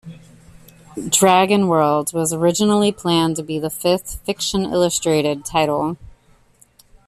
"Dragonworld" was originally planned to be the fifth "Fiction Illustrated" title.